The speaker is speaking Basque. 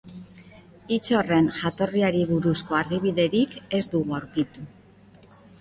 Hitz horren jatorriari buruzko argibiderik ez dugu aurkitu.